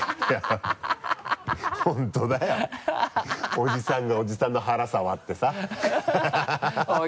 おじさんがおじさんの腹触ってさ